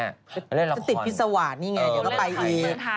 เขาเล่นละครสวรรค์ทีมสวนไทยจะติดพิษวรรค์นี่ไงเดี๋ยวเขาไปอีก